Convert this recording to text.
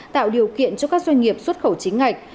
tạo điều kiện cho các doanh nghiệp xuất khẩu chính ngạch